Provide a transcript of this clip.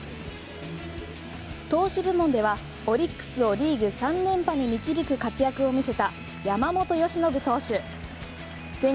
投資部門ではオリックスをリーグ３連覇に導く活躍を見せた山本由伸投手。